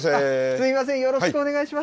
すみません、よろしくお願いします。